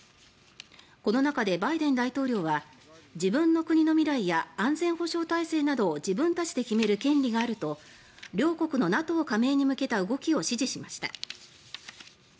この中でバイデン大統領は自分の国の未来や安全保障体制などを自分たちで決める権利があると両国のＮＡＴＯ加盟に向けた動きを支持しました。